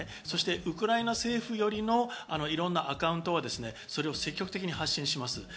そしてウクライナ政府寄りのいろんなアカウントがそれを積極的に発信します。